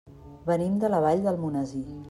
Venim de la Vall d'Almonesir.